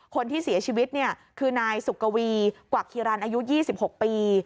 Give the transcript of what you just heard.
คนที่เสียชีวิตเนี่ยคือนายสุกวีกว่าคีรานอายุ๒๖ปี